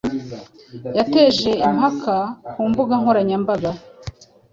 yateje impaka ku mbuga nkoranyambaga